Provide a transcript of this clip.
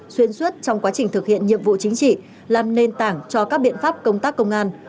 xuyên suốt trong quá trình thực hiện nhiệm vụ chính trị làm nền tảng cho các biện pháp công tác công an